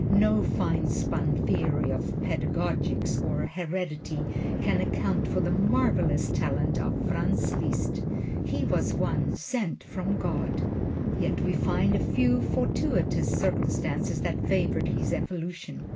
No finespun theory of pedagogics or heredity can account for the marvelous talent of Franz Liszt he was one sent from God. Yet we find a few fortuitous circumstances that favored his evolution.